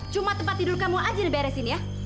cuma tempat tidur kamu aja yang diberesin ya